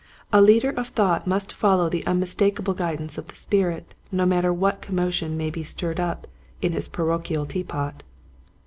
A leader of thought must follow the unmistakable guidance of the Spirit no matter what commotion may be stirred up in his parochial teapot.